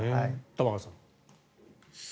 玉川さん。